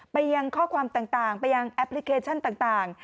ยังข้อความต่างไปยังแอปพลิเคชันต่าง